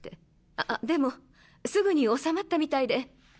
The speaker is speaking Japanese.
あでもすぐに治まったみたいで。